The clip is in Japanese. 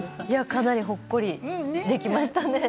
かなりほっこりできましたね。